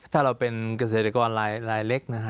ถ้าเราเป็นเกษตรกรรายเล็ก